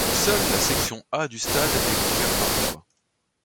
Seule la section A du stade est couvert par un toit.